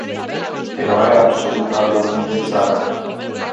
Teroarea absolută a domnit în țară.